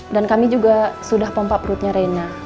dan kami juga sudah pompa perutnya rena